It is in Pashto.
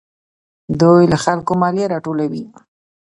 دوی له خلکو مالیه راټولوي.